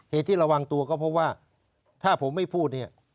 ที่ระวังตัวก็เพราะว่าถ้าผมไม่พูดเนี่ย